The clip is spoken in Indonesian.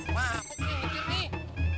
wah aku pengen ngitir nih